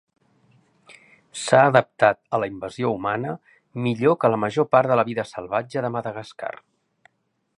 S'ha adaptat a la invasió humana millor que la major part de la vida salvatge de Madagascar.